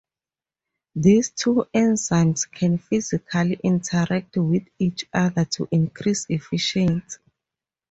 These two enzymes can physically interact with each other to increase efficiency.